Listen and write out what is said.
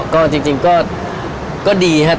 ก็จริงก็ดีครับ